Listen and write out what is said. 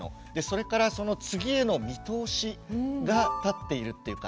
それからその次への見通しが立っているっていうか